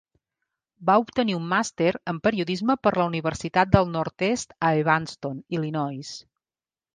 Va obtenir un màster en periodisme per la Universitat del Nord-oest a Evanston, Illinois.